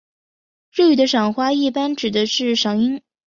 日语的赏花一般指的是赏樱。